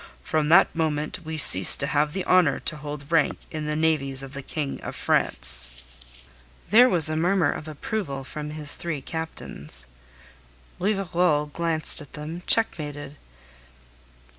From that moment we cease to have the honour to hold rank in the navies of the King of France." There was more than a murmur of approval from his three captains. Rivarol glared at them, checkmated.